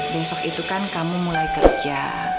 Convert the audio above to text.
besok itu kan kamu mulai kerja